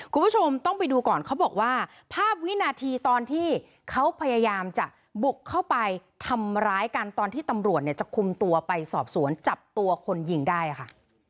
คุณผู้ชมต้องไปดูก่อนเขาบอกว่าภาพวินาทีตอนที่เขาพยายามจะบุกเข้าไปทำร้ายกันตอนที่ตำรวจเนี่ยจะคุมตัวไปสอบสวนจับตัวคนยิงได้ค่ะ